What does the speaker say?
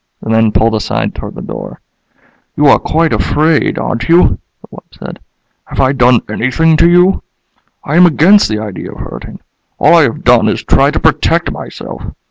The men pulled aside toward the door. "You are quite afraid, aren't you?" the wub said. "Have I done anything to you? I am against the idea of hurting. All I have done is try to protect myself.